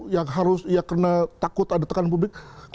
ya harus ya kena takut ada tekanan publik